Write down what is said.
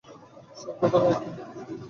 শুকনো ধরনের কঠিন একটি মুখ।